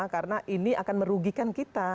karena ini akan merugikan kita